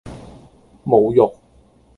侮辱